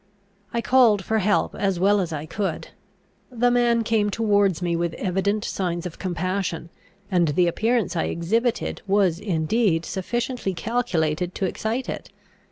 I called for help as well as I could. The man came towards me with evident signs of compassion, and the appearance I exhibited was indeed sufficiently calculated to excite it.